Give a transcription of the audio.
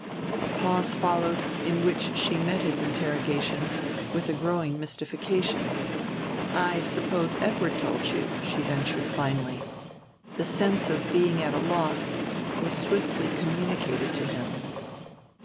A pause followed, in which she met his interrogation with a growing mystification. "I suppose Edward told you," she ventured finally. The sense of being at a loss was swiftly communicated to him.